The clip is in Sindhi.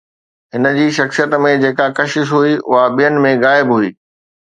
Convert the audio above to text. هن جي شخصيت ۾ جيڪا ڪشش هئي، اها ٻين ۾ غائب هئي